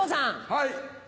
はい。